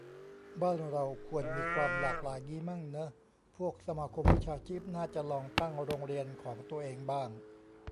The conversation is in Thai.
บ้านเราควรมีความหลากหลายงี้มั่งเนอะ พวกสมาคมวิชาชีพน่าจะลองตั้งโรงเรียนของตัวเองบ้าง